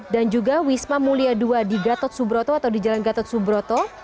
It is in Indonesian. dan juga wisma mulia dua di gatot subroto atau di jalan gatot subroto